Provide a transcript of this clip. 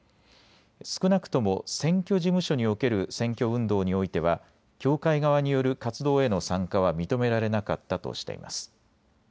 少なくとも選挙事務所における選挙運動においては協会側による活動への参加は認められなかったとしています。